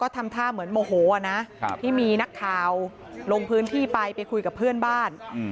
ที่มีนักข่าวลงพื้นที่ไปไปคุยกับเพื่อนบ้าน